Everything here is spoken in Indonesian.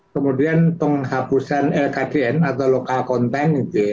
kemudian penghabusan lkdn atau lokal konten gitu ya